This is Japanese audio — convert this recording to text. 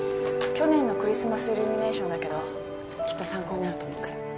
去年のクリスマスイルミネーションだけどきっと参考になると思うから。